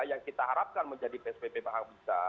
yang kita harapkan menjadi psbb paham bisa